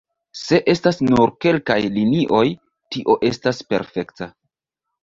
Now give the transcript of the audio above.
Se estas nur kelkaj linioj, tio estas perfekta.